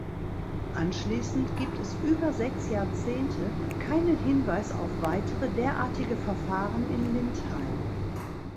Anschließend gibt es über sechs Jahrzehnte keinen Hinweis auf weitere derartige Verfahren in Lindheim.